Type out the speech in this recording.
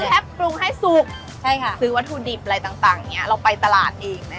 ก็คือแพบปรุงให้สุกใช่ค่ะซื้อวัตถุดิบอะไรต่างเนี่ยเราไปตลาดเองนะ